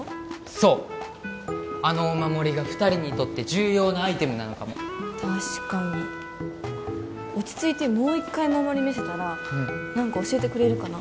そうあのお守りが２人にとって重要なアイテムなのかも確かに落ち着いてもう一回お守り見せたら何か教えてくれるかな？